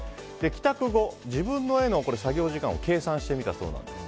帰宅後、自分の絵の作業時間を計算してみたそうです。